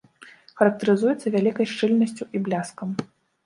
Характарызуецца вялікай шчыльнасцю і бляскам.